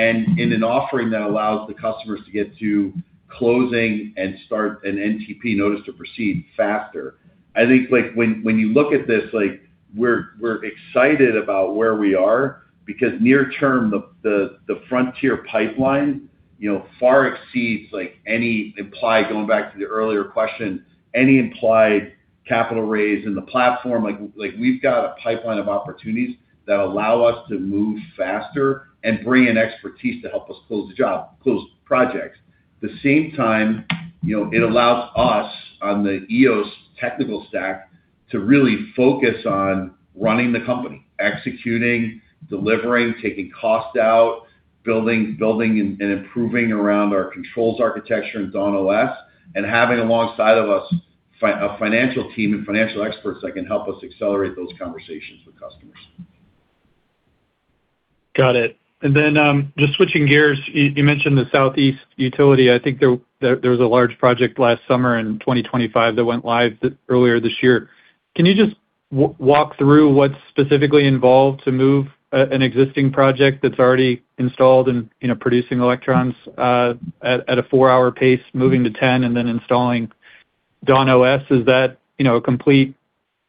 an offering that allows the customers to get to closing and start an NTP, notice to proceed, faster. I think, like, when you look at this, like, we're excited about where we are because near term, the Frontier pipeline, you know, far exceeds, like, any implied, going back to the earlier question, any implied capital raise in the platform. Like, we've got a pipeline of opportunities that allow us to move faster and bring in expertise to help us close the job, close projects. At the same time, you know, it allows us on the Eos technical stack to really focus on running the company, executing, delivering, taking cost out, building and improving around our controls architecture and DawnOS, and having alongside of us a financial team and financial experts that can help us accelerate those conversations with customers. Got it. Then, just switching gears, you mentioned the southeast utility. I think there was a large project last summer in 2025 that went live earlier this year. Can you just walk through what's specifically involved to move an existing project that's already installed and, you know, producing electrons at a four-hour pace, moving to 10 and then installing DawnOS? Is that, you know, a complete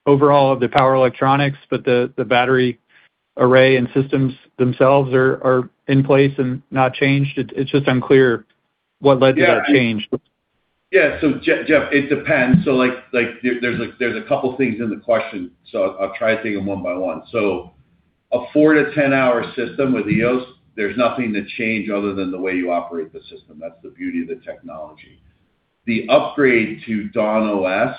overhaul of the power electronics, but the battery array and systems themselves are in place and not changed? It's just unclear what led to that change. Yeah. Jeff, it depends. Like, there's a couple things in the question, so I'll try to take them one by one. A four- to 10-hour system with Eos, there's nothing to change other than the way you operate the system. That's the beauty of the technology. The upgrade to DawnOS,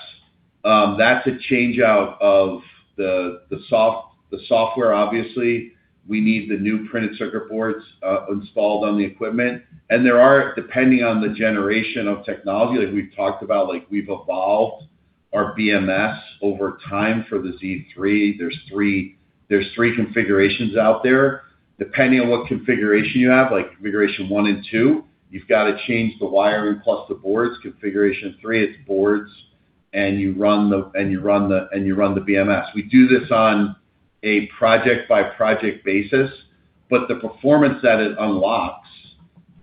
that's a change-out of the software, obviously. We need the new printed circuit boards installed on the equipment. There are, depending on the generation of technology, like we've talked about, like, we've evolved our BMS over time for the Z3. There's three configurations out there. Depending on what configuration you have, like configuration one and two, you've got to change the wiring plus the boards. Configuration three, it's boards, you run the BMS. We do this on a project-by-project basis, but the performance that it unlocks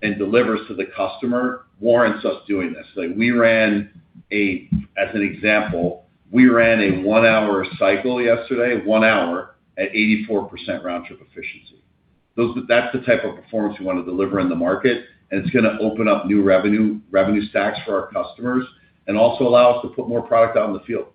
and delivers to the customer warrants us doing this. Like, as an example, we ran a one-hour cycle yesterday, one hour, at 84% round-trip efficiency. That's the type of performance we wanna deliver in the market, and it's gonna open up new revenue stacks for our customers and also allow us to put more product out in the field.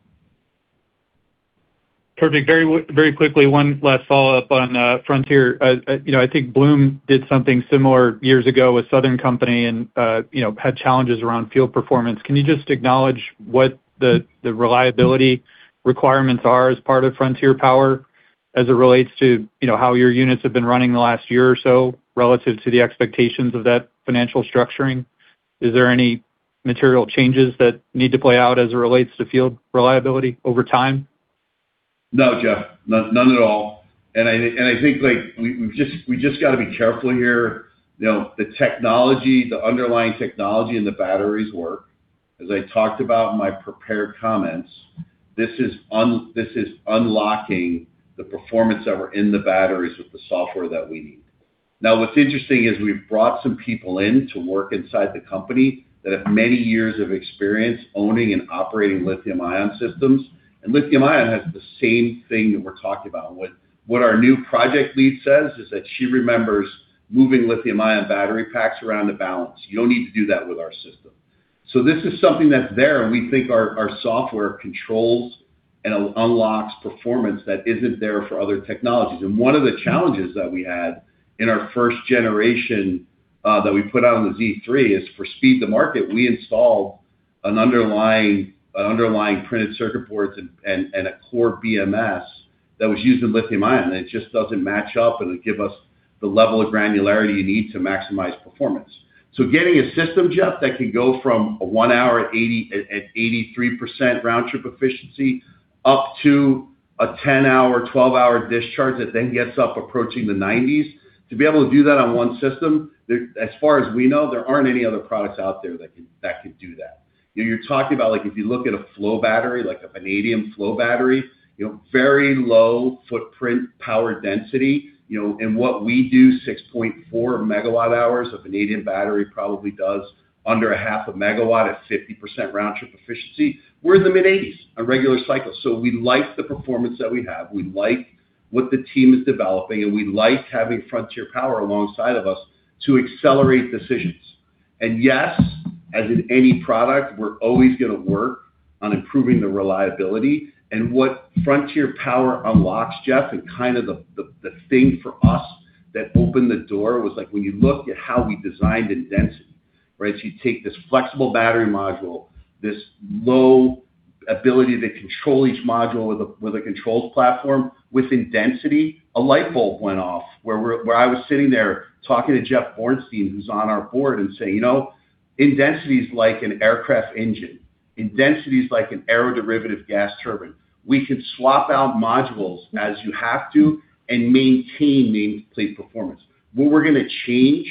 Perfect. Very quickly, one last follow-up on Frontier. You know, I think Bloom did something similar years ago with Southern Company and, you know, had challenges around field performance. Can you just acknowledge what the reliability requirements are as part of Frontier Power as it relates to, you know, how your units have been running the last year or so relative to the expectations of that financial structuring? Is there any material changes that need to play out as it relates to field reliability over time? No, Jeff. None at all. I think, like, we've just gotta be careful here. You know, the technology, the underlying technology and the batteries work. As I talked about in my prepared comments, this is unlocking the performance that were in the batteries with the software that we need. What's interesting is we've brought some people in to work inside the company that have many years of experience owning and operating lithium-ion systems. Lithium-ion has the same thing that we're talking about. What our new project lead says is that she remembers moving lithium-ion battery packs around to balance. You don't need to do that with our system. This is something that's there, and we think our software controls and unlocks performance that isn't there for other technologies. One of the challenges that we had in our first generation that we put out on the Z3 is for speed to market, we installed an underlying printed circuit boards and a core BMS that was used in lithium-ion, and it just doesn't match up and give us the level of granularity you need to maximize performance. Getting a system, Jeff, that can go from a one-hour at 83% round-trip efficiency up to a 10-hour, 12-hour discharge that then gets up approaching the 90s. To be able to do that on one system, as far as we know, there aren't any other products out there that can do that. You know, you're talking about, like, if you look at a flow battery, like a vanadium flow battery, you know, very low footprint power density, you know. What we do, 6.4 MWh a vanadium battery probably does under a half a megawatt at 50% round-trip efficiency. We're in the mid-80s on regular cycles. We like the performance that we have. We like what the team is developing, and we like having Frontier Power alongside of us to accelerate decisions. Yes, as in any product, we're always gonna work on improving the reliability. What Frontier Power unlocks, Jeff, and kind of the thing for us that opened the door was like, when you look at how we designed Indensity, right? You take this flexible battery module, this low ability to control each module with a controlled platform. With Indensity, a light bulb went off where I was sitting there talking to Jeff Bornstein, who's on our board, and saying, "You know, Indensity is like an aircraft engine. Indensity is like an aeroderivative gas turbine." We could swap out modules as you have to and maintain nameplate performance. What we're gonna change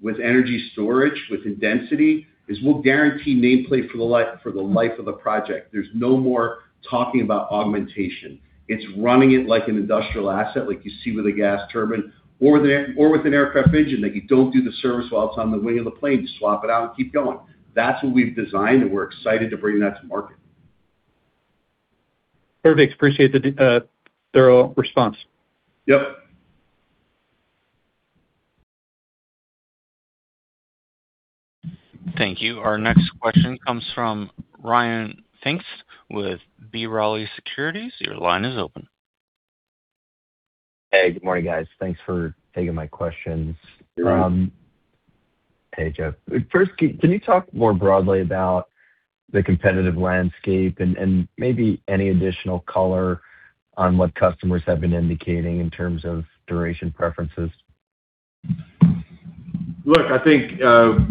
with energy storage with Indensity is we'll guarantee nameplate for the life of the project. There's no more talking about augmentation. It's running it like an industrial asset, like you see with a gas turbine or with an aircraft engine, that you don't do the service while it's on the wing of the plane. You swap it out and keep going. That's what we've designed, and we're excited to bring that to market. Perfect. Appreciate the thorough response. Yep. Thank you. Our next question comes from Ryan Pfingst with B. Riley Securities. Your line is open. Hey, good morning, guys. Thanks for taking my questions. Hey, Joe. First, can you talk more broadly about the competitive landscape and maybe any additional color on what customers have been indicating in terms of duration preferences? I think,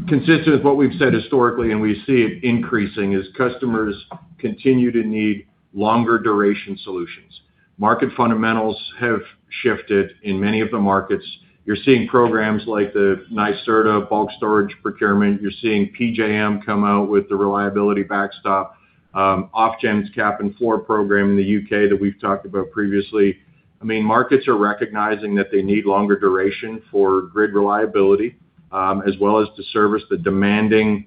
consistent with what we've said historically, and we see it increasing, is customers continue to need longer duration solutions. Market fundamentals have shifted in many of the markets. You're seeing programs like the NYSERDA bulk storage procurement. You're seeing PJM come out with the reliability backstop, Ofgem's Cap and Floor program in the U.K. that we've talked about previously. I mean markets are recognizing that they need longer duration for grid reliability, as well as to service the demanding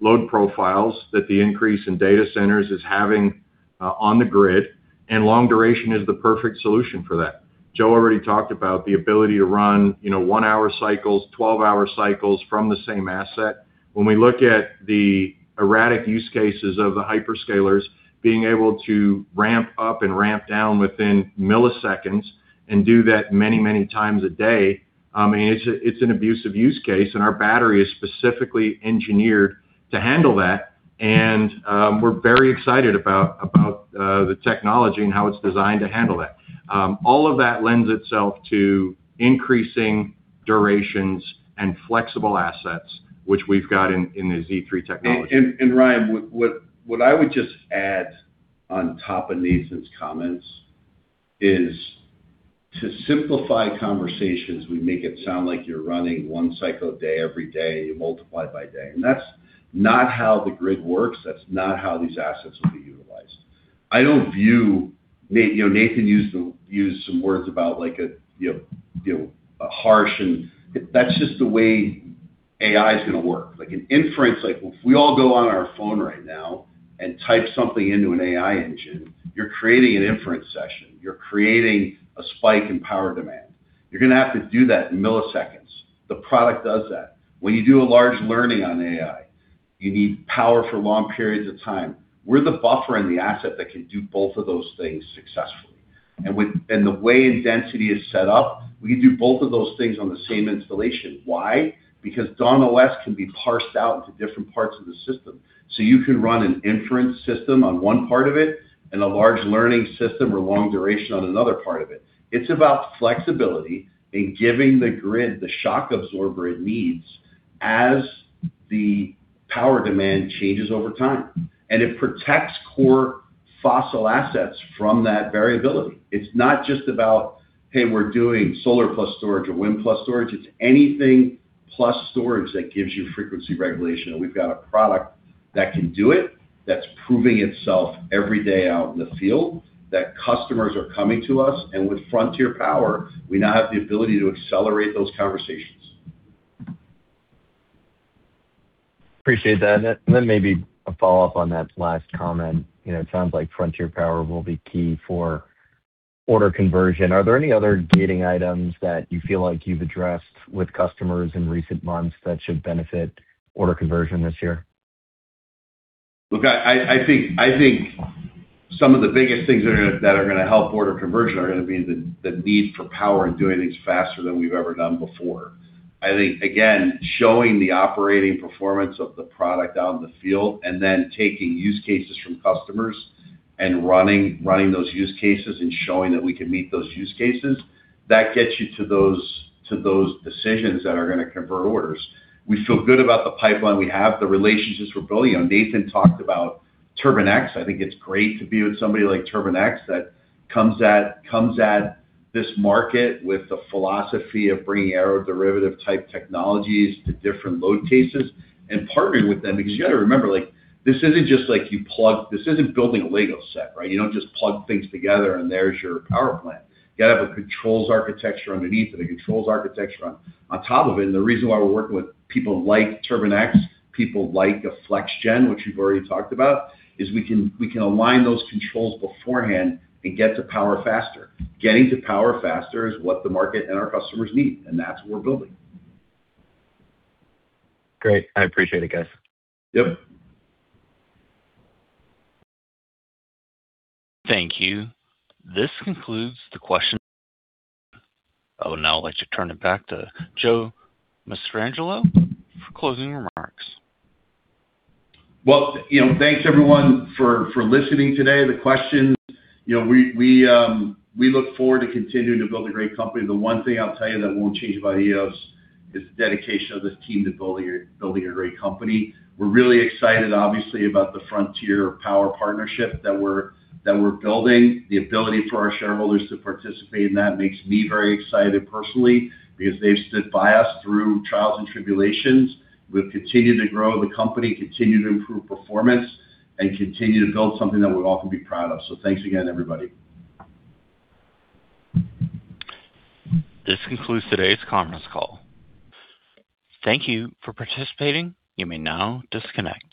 load profiles that the increase in data centers is having on the grid. Long duration is the perfect solution for that. Joe already talked about the ability to run, you know, one-hour cycles, 12-hour cycles from the same asset. When we look at the erratic use cases of the hyperscalers being able to ramp up and ramp down within milliseconds and do that many, many times a day, I mean, it's an abusive use case, and our battery is specifically engineered to handle that. We're very excited about the technology and how it's designed to handle that. All of that lends itself to increasing durations and flexible assets, which we've got in the Z3 technology. Ryan, what I would just add on top of Nathan's comments is to simplify conversations, we make it sound like you're running one cycle a day every day, you multiply it by day. That's not how the grid works. That's not how these assets will be utilized. I don't view, you know, Nathan used to use some words about like a, you know, you know, a harsh and. That's just the way AI's gonna work. Like an inference, like if we all go on our phone right now and type something into an AI engine, you're creating an inference session. You're creating a spike in power demand. You're gonna have to do that in milliseconds. The product does that. When you do a large learning on AI, you need power for long periods of time. We're the buffer and the asset that can do both of those things successfully. With the way Indensity is set up, we can do both of those things on the same installation. Why? Because DawnOS can be parsed out into different parts of the system. You can run an inference system on one part of it and a large learning system or long duration on another part of it. It's about flexibility and giving the grid the shock absorber it needs as the power demand changes over time. It protects core fossil assets from that variability. It's not just about, "Hey, we're doing solar plus storage or wind plus storage." It's anything plus storage that gives you frequency regulation, and we've got a product that can do it, that's proving itself every day out in the field, that customers are coming to us, and with Frontier Power, we now have the ability to accelerate those conversations. Appreciate that. Maybe a follow-up on that last comment. You know, it sounds like Frontier Power will be key for order conversion. Are there any other gating items that you feel like you've addressed with customers in recent months that should benefit order conversion this year? Look, I think some of the biggest things that are gonna help order conversion are gonna be the need for power and doing things faster than we've ever done before. I think, again, showing the operating performance of the product out in the field and then taking use cases from customers and running those use cases and showing that we can meet those use cases, that gets you to those decisions that are gonna convert orders. We feel good about the pipeline we have, the relationships we're building. You know, Nathan talked about TURBINE-X. I think it's great to be with somebody like TURBINE-X that comes at this market with the philosophy of bringing aeroderivative type technologies to different load cases and partnering with them. You gotta remember, like, this isn't building a Lego set, right? You don't just plug things together and there's your power plant. You gotta have a controls architecture underneath it, a controls architecture on top of it. The reason why we're working with people like TURBINE-X, people like a FlexGen, which we've already talked about, is we can align those controls beforehand and get to power faster. Getting to power faster is what the market and our customers need. That's what we're building. Great. I appreciate it, guys. Yep. Thank you. This concludes the question. I would now like to turn it back to Joe Mastrangelo for closing remarks. Well, you know, thanks, everyone, for listening today, the questions. You know, we look forward to continuing to build a great company. The one thing I'll tell you that won't change about Eos is the dedication of this team to building a great company. We're really excited obviously about the Frontier Power partnership that we're building. The ability for our shareholders to participate in that makes me very excited personally because they've stood by us through trials and tribulations. We've continued to grow the company, continue to improve performance, and continue to build something that we'll all can be proud of. Thanks again, everybody. This concludes today's conference call. Thank you for participating. You may now disconnect.